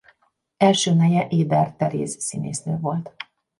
Első neje Éder Teréz színésznő volt.